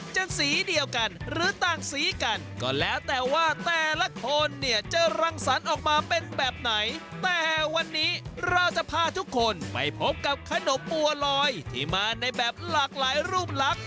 สีเดียวกันหรือต่างสีกันก็แล้วแต่ว่าแต่ละคนเนี่ยจะรังสรรค์ออกมาเป็นแบบไหนแต่วันนี้เราจะพาทุกคนไปพบกับขนมบัวลอยที่มาในแบบหลากหลายรูปลักษณ